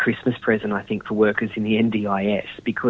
karena mereka telah menanggung waktu yang lama untuk mendukung mereka